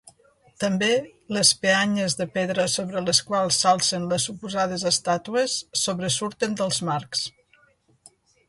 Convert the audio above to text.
També les peanyes de pedra sobre les quals s'alcen les suposades estàtues sobresurten dels marcs.